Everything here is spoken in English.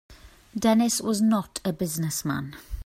Dennis was not a business man.